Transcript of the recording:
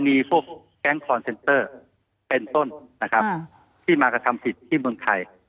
มีพวกแก๊งคอนเซนเตอร์เป็นต้นนะครับที่มากระทำผิดที่เมืองไทย